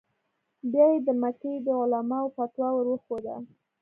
بیا یې د مکې د علماوو فتوا ور وښوده.